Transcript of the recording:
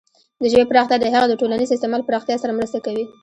د ژبې پراختیا د هغې د ټولنیز استعمال پراختیا سره مرسته کوي.